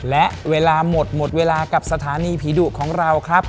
และเวลาหมดกับสถานีผีดุของเราครับ